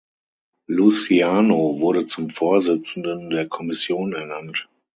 Luciano wurde zum Vorsitzenden der Kommission ernannt.